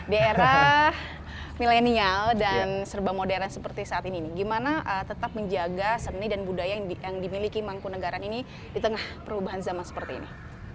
di era milenial dan serba modern seperti saat ini nih gimana tetap menjaga seni dan budaya yang dimiliki mangkunagaran ini di tengah perubahan zaman seperti ini